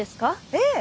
ええ。